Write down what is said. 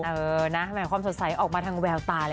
เออนะแหมความสดใสออกมาทางแววตาเลย